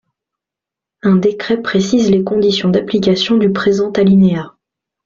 Un décret précise les conditions d’application du présent alinéa.